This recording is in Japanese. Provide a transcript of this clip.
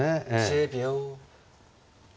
１０秒。